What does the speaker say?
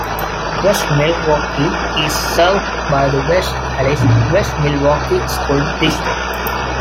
West Milwaukee is served by the West Allis - West Milwaukee School District.